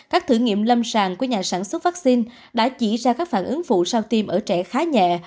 các thử nghiệm lâm sàng của nhà sản xuất vaccine đã chỉ ra các phản ứng phụ sau tiêm ở trẻ khá nhẹ